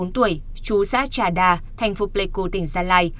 bốn mươi bốn tuổi chú xã trà đa thành phố pleiku tỉnh sa lai